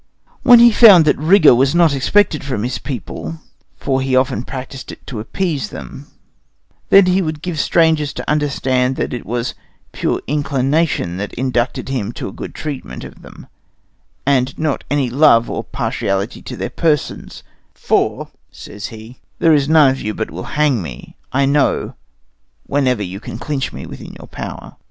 When he found that rigor was not expected from his people (for he often practiced it to appease them), then he would give strangers to understand that it was pure inclination that induced him to a good treatment of them, and not any love or partiality to their persons; for, says he, "there is none of you but will hang me, I know, whenever you can clinch me within your power."